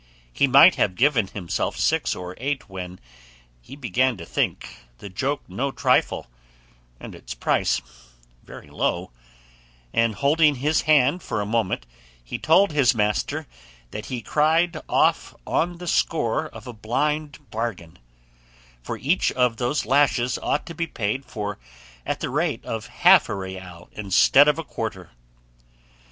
He might have given himself six or eight when he began to think the joke no trifle, and its price very low; and holding his hand for a moment, he told his master that he cried off on the score of a blind bargain, for each of those lashes ought to be paid for at the rate of half a real instead of a quarter.